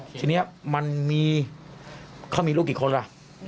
ทีนี้มันมีเขามีลูกกี่คนล่ะ